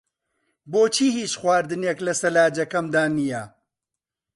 بۆچی هیچ خواردنێک لە سەلاجەکەمدا نییە؟